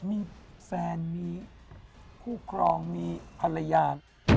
มีแฟนมีคู่ครองมีภรรยา